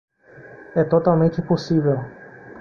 É totalmente impossível.